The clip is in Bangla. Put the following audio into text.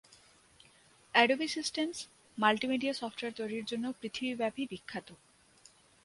অ্যাডোবি সিস্টেমস মাল্টিমিডিয়া সফটওয়্যার তৈরির জন্য পৃথিবীব্যাপী বিখ্যাত।